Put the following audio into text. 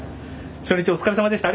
初日、お疲れさまでした。